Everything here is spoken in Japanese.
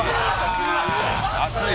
熱い！